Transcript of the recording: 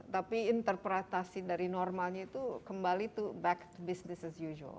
tapi interpretasi dari normalnya itu kembali to back business as usual